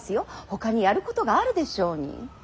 ほかにやることがあるでしょうに。